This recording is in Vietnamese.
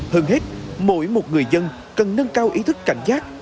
hơn hết mỗi một người dân cần nâng cao ý thức cảnh giác